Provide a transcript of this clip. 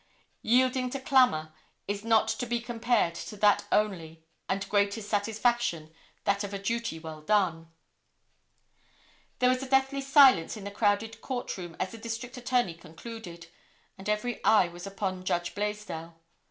Yielding to clamor is not to be compared to that only and greatest satisfaction that of a duty well done." [Illustration: OFFICER MICHAEL MULLALY.] There was a deathly silence in the crowded court room as the District Attorney concluded, and every eye was upon Judge Blaisdell.